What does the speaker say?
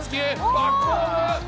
バックホーム。